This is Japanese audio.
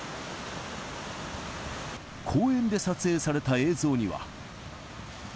公園で撮影された映像には。